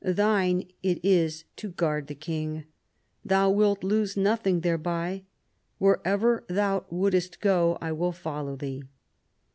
Thine it is to guard the king. Thou wilt lose nothing thereby. Wherever Thou wouldest go I will follow Thee."